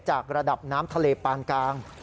จากระดับน้ำทะเลปานกลาง